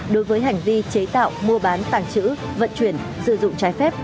đối với hành vi chế tạo mua bán tàng trữ vận chuyển sử dụng trái phép